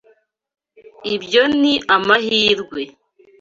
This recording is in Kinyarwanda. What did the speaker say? Ibyo ni amahirwe.